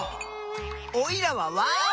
おいらはワーオ！